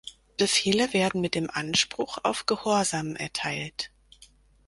Befehle werden mit dem Anspruch auf Gehorsam erteilt.